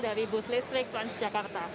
dari bus listrik transjakarta